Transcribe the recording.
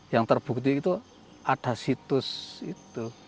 yang terbukti itu ada situs itu